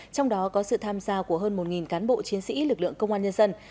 trong đó có sự tham gia của hơn một cán bộ chiến sĩ lực lượng công an nhân dân